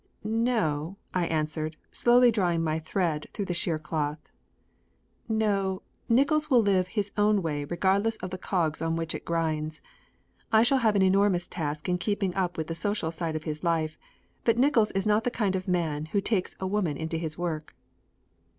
"No," I answered, slowly drawing my thread through the sheer cloth. "No, Nickols will live his own way regardless of the cogs on which it grinds. I shall have an enormous task in keeping up with the social side of his life, but Nickols is not the kind of a man who takes a woman into his work."